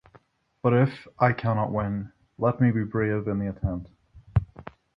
But if I can not win, let me be brave in the attempt.